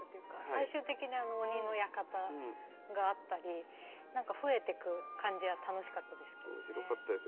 最終的に鬼の館があったり何か増えてく感じは楽しかったです。